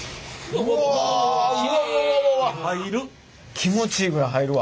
気持ちいいぐらい入るわ。